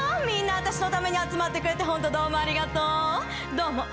みんな私のために集まってくれて本当どうもありがとう！